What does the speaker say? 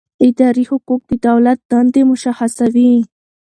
اداري حقوق د دولت دندې مشخصوي.